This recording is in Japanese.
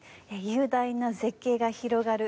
雄大な絶景が広がる